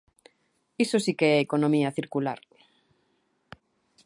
Iso si que é economía circular.